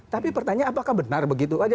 tapi pertanyaan apakah benar begitu aja